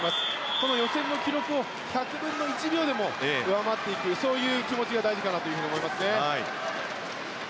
この予選の記録を１００分の１秒でも上回っていくそういう気持ちが大事かなと思いますね。